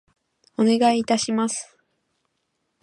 お願い致します。